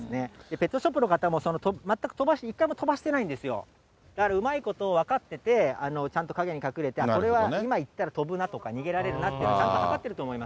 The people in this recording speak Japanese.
ペットショップの方も全く１回も飛ばしてないんですよ、うまいこと分かってて、ちゃんと陰に隠れて今行ったら飛ぶなとか、逃げられるなとか、ちゃんと分かってると思います。